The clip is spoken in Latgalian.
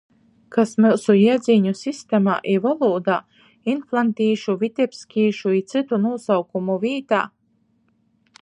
Kas myusu jiedzīņu sistemā i volūdā inflantīšu, vitebskīšu i cytu nūsaukumu vītā